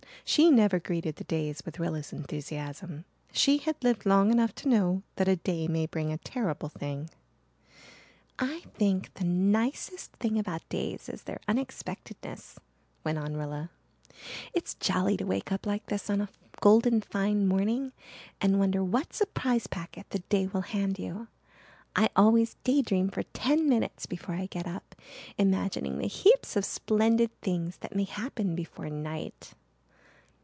She never greeted the days with Rilla's enthusiasm. She had lived long enough to know that a day may bring a terrible thing. "I think the nicest thing about days is their unexpectedness," went on Rilla. "It's jolly to wake up like this on a golden fine morning and wonder what surprise packet the day will hand you. I always day dream for ten minutes before I get up, imagining the heaps of splendid things that may happen before night."